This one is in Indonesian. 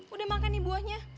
udah makan nih buahnya